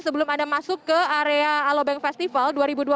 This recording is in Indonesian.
sebelum anda masuk ke area alobank festival dua ribu dua puluh